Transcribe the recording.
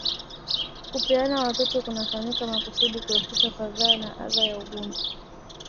Kupeana watoto kunafanyika makusudi kuepusha fadhaa na adha ya ugumba